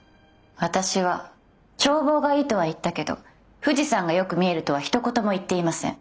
私は「眺望がいい」とは言ったけど「富士山がよく見える」とはひと言も言っていません。